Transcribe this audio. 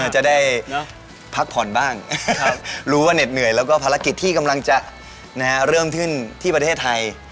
จะได้พักผ่อนบ้างรู้ว่าเหน็ดเหนื่อยแล้วก็ภารกิจที่กำลังจะเริ่มขึ้นที่ประเทศไทย